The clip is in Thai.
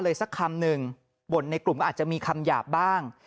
สักคำหนึ่งบ่นในกลุ่มก็อาจจะมีคำหยาบบ้าง